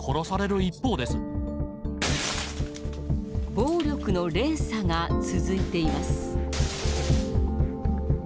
暴力の連鎖が続いています。